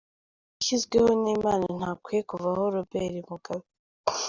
Umuyobozi washyizweho n’Imana ntakwiye kuvaho Roberi Mugabe